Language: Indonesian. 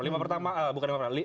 lima pertama bukan lima perali